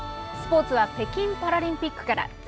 スポーツは北京パラリンピックから。